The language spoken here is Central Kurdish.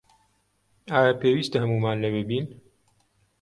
ئایا پێویستە هەموومان لەوێ بین؟